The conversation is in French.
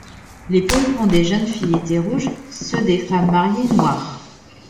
Les pompons des jeunes filles étaient rouges, ceux des femmes mariées noirs.